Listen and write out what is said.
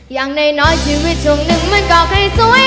อย่างน้อยชีวิตช่วงหนึ่งมันก็ค่อยสวย